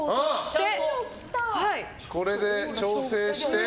これで調整して。